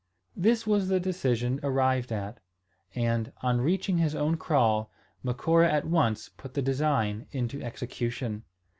This was the decision arrived at; and, on reaching his own kraal, Macora at once put the design into execution.